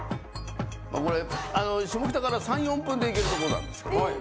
下北から３４分で行けるとこなんですけど。